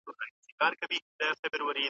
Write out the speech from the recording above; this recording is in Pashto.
علمي اټکلونه د ثابتو قوانينو پر بنسټ وي.